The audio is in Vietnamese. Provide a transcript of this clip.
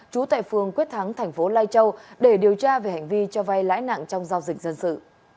trú tại phường quyết thắng thành phố lai châu để điều tra về hành vi cho vay lãi nặng trong giao dịch dân sự